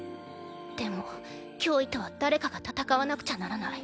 でも脅威とは誰かが戦わなくちゃならない。